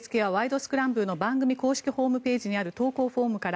スクランブル」の番組公式ホームページにある投稿フォームから。